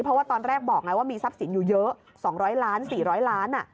เพราะว่าตอนแรกบอกไงว่ามีทรัพย์สินอยู่เยอะ๒๐๐ล้าน๔๐๐ล้าน